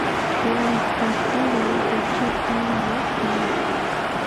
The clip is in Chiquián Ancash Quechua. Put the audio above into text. Wallpatawan kuchita waatan.